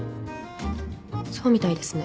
そうみたいですね。